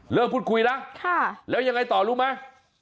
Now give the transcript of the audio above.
พูดคุยนะแล้วยังไงต่อรู้ไหม